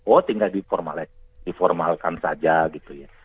oh tinggal diformalkan saja gitu ya